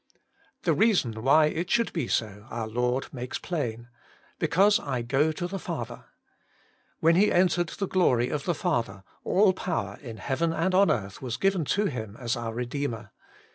The reason why it should be so our Lord makes plain, ' Because I go to the Father.' When He entered the glory of the Father, all power in heaven and on earth was given to Him as our Redeemer.